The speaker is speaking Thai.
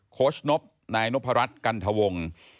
โค้ชนบนายนพรัชกันทวงศ์